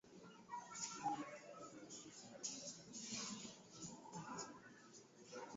Kipindi cha upanuzi kilifuatiwa na Emutai